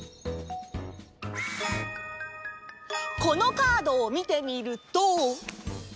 このカードをみてみると。